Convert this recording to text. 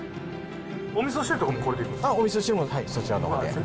おみそ汁とかもこれでいくんですか？